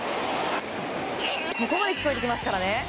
ここまで聞こえてきますからね。